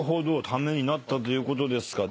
「ためになった」ということですか。